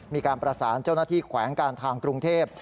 มีการประสานเจ้าหน้าที่แขวงการทางกรุงเทพ